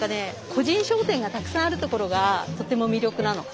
個人商店がたくさんあるところがとても魅力なの。